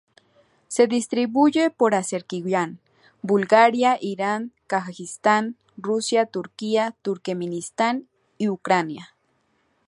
Se distribuye por Azerbaiyán, Bulgaria, Irán, Kazajistán, Rusia, Turquía, Turkmenistán y Ucrania.